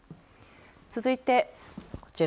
続いて、こちら。